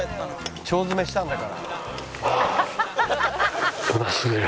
「腸詰めしたんだから」はあ。